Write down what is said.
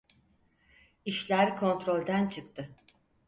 İşler kontrolden çıktı.